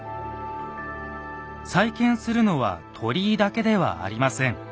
再建するのは鳥居だけではありません。